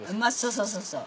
そうそうそう。